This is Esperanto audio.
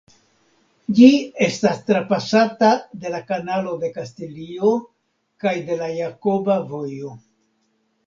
Ĝi estas trapasata de la Kanalo de Kastilio kaj de la Jakoba Vojo.